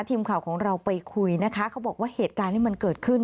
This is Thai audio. ทีมข่าวของเราไปคุยนะคะเขาบอกว่าเหตุการณ์ที่มันเกิดขึ้น